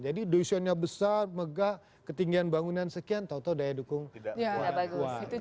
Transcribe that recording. jadi dosenya besar megah ketinggian bangunan sekian tau tau daya dukung tidak bagus